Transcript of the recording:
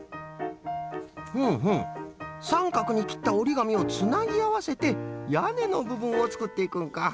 ふむふむさんかくにきったおりがみをつなぎあわせてやねのぶぶんをつくっていくんか。